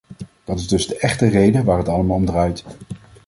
Dat is dus de echte reden waar het allemaal om draait.